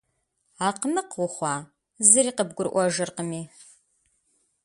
Акъмыкъ ухъуа, зыри къыбгурыӏуэжыркъыми?